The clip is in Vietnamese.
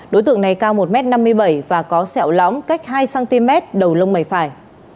đối tượng này cao một m năm mươi bảy và có sẹo lõm cách hai cm đầu lông mày phải